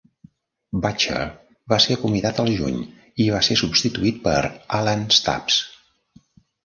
Butcher va ser acomiadat al juny i va ser substituït per Alan Stubbs.